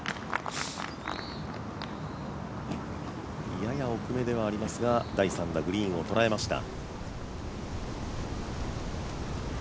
やや遅れではありますが第３打グリーンを捉えました。